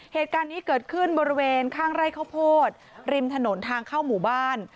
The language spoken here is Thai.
เหตุการณ์นี้เกิดขึ้นบริเวณข้างไร่ข้าวโพดริมถนนทางเข้าหมู่บ้าน